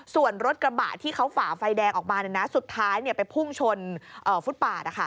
ส่วนรถกระบะที่เขาฝ่าไฟแดงออกมาสุดท้ายไปพุ่งชนฟุตปาด